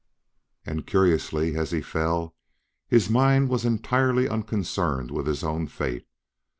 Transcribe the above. And, curiously, as he fell, his mind was entirely unconcerned with his own fate.